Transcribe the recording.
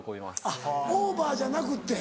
あっオーバーじゃなくって。